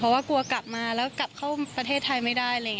เพราะว่ากลัวกลับมากลับไปเล่นประเทศไม่ได้